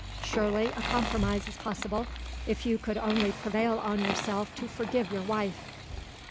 Surely, a compromise is possible, if you could only prevail on yourself to forgive your wife."